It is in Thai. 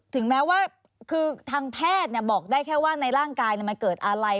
ถึงแม้ว่าคือทางแพทย์บอกได้แค่ว่าในร่างกายมันเกิดอะไร